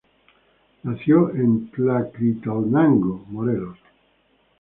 Nació en Tlaquiltenango, Morelos.